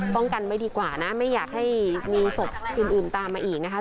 กันไว้ดีกว่านะไม่อยากให้มีศพอื่นตามมาอีกนะคะ